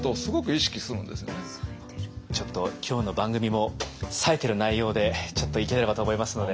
ちょっと今日の番組も冴えてる内容でちょっといければと思いますので。